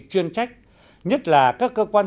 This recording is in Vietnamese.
chuyên trách nhất là các cơ quan